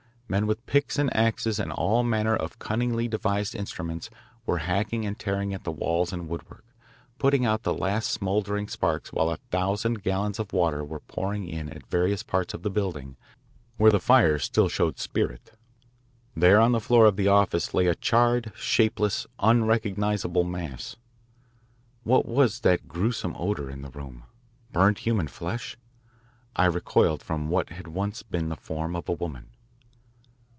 Men with picks and axes and all manner of cunningly devised instruments were hacking and tearing at the walls and woodwork, putting out the last smouldering sparks while a thousand gallons of water were pouring in at various parts of the building where the fire still showed spirit. There on the floor of the office lay a charred, shapeless, unrecognisable mass. What was that gruesome odour in the room? Burned human flesh? I recoiled from what had once been the form of a woman.